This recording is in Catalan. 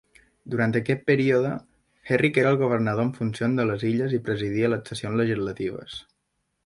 Durant aquest període, Herrick era el governador en funcions de les Illes i presidia les sessions legislatives.